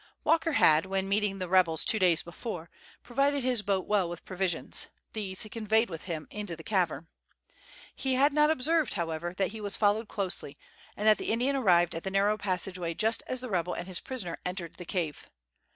Walker had, when meeting the rebels two days before, provided his boat well with provisions. These he conveyed with him into the cavern. He had not observed, however, that he was followed closely, and that the Indian arrived at the narrow passageway just as the rebel and his prisoner entered the cave.